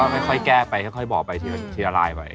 ค่อยแก้ไปค่อยบอกไปทีละลายไป